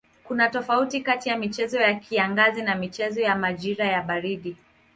Kuna tofauti kati ya michezo ya kiangazi na michezo ya majira ya baridi.